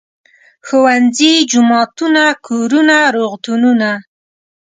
ښوونځي، جوماتونه، کورونه، روغتونونه.